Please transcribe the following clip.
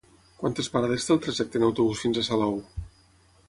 Quantes parades té el trajecte en autobús fins a Salou?